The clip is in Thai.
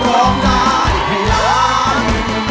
ร้องได้ให้ล้าน